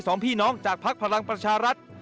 สองพี่น้องจากภักดิ์พลังประชารัฐ